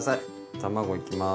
卵いきます。